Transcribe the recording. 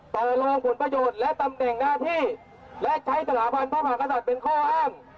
ต่อรองผลประโยชน์และตำแหน่งหน้าที่และใช้สถาบันพระมหากษัตริย์เป็นข้ออ้าง